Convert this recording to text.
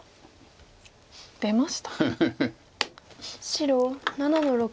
白７の六。